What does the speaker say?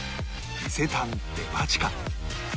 伊勢丹デパ地下